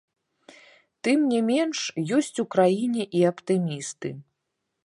Тым не менш, ёсць у краіне і аптымісты.